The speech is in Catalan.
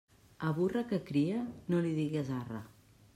A burra que crie no li digues arre.